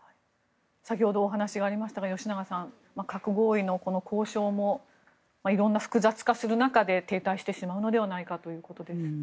先ほどお話がありましたが吉永さん、核合意の交渉も色んな複雑化する中で停滞してしまうのではないかということです。